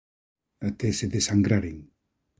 Até se desangraren.